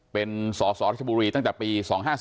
เป็นสสรัชบุรีตั้งแต่ปี๒๕๔